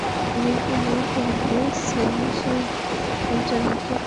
আমাকে মেরে ফেলবে, - স্যান্ডি সে সব জানে, চুপ করে থাকো।